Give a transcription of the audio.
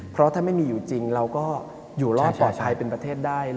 เพราะถ้าไม่มีอยู่จริงเราก็อยู่รอดปลอดภัยเป็นประเทศได้